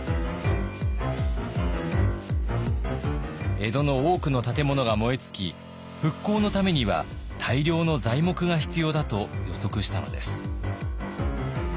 江戸の多くの建物が燃え尽き復興のためには大量の材木が必要だと予測したのです。